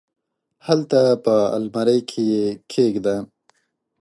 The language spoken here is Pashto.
هلته په المارۍ کي یې کښېږده !